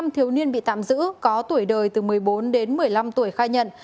năm thiếu niên bị tạm giữ có tuổi đời từ một mươi bốn đến một mươi năm tuổi khai nhận